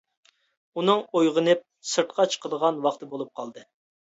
ئۇنىڭ ئويغىنىپ سىرتقا چىقىدىغان ۋاقتى بولۇپ قالدى.